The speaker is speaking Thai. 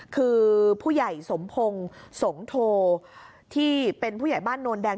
คือผู้ใหญ่สมพงศ์สงโทที่เป็นผู้ใหญ่บ้านโนนแดง